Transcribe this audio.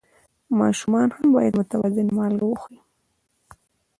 ماشومان هم باید متوازن مالګه وخوري.